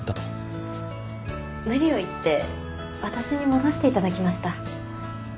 無理を言って私に戻していただきました。